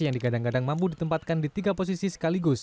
yang digadang gadang mampu ditempatkan di tiga posisi sekaligus